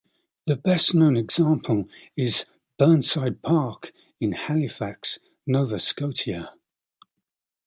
The best known example is Burnside Park, in Halifax, Nova Scotia.